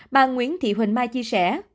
bà nguyễn thị huỳnh mai chia sẻ